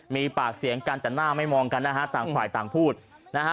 มีปากเสียงกันแต่หน้าไม่มองกันนะฮะต่างฝ่ายต่างพูดนะฮะ